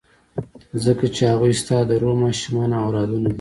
ځکه چې هغوی ستا د روح ماشومان او اولادونه دي.